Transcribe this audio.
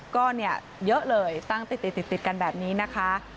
ก็เนี่ยเยอะเลยตั้งติดกันแบบนี้นะคะ